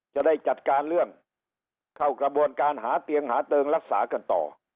จะได้จัดการเรื่องเข้ากระบวนการหาเตียงหาเติงรักษากันต่อ